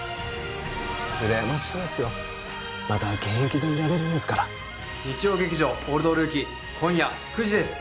まだ現役でいられるんですから日曜劇場「オールドルーキー」今夜９時です